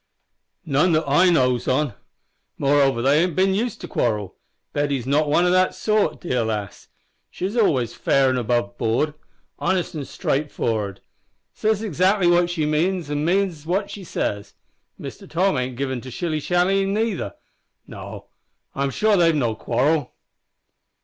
"None that I knows on. Moreover, they ain't bin used to quarrel. Betty's not one o' that sort dear lass. She's always fair an' above board; honest an' straight for'ard. Says 'zactly what she means, an' means what she says. Mister Tom ain't given to shilly shallyin', neither. No, I'm sure they've had no quarrel."